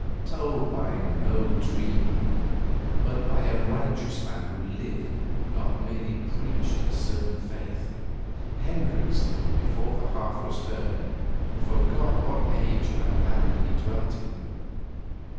Told by no dreamer, but by a righteous man who lived, not merely preached his certain faith, Hendricks, before the half was heard, forgot what age and land he dwelt in.